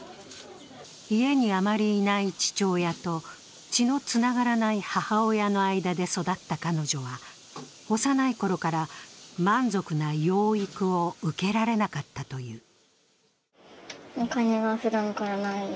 家にあまりいない父親と血のつながらない母親の間で育った彼女は幼いころから満足な養育を受けられなかったという。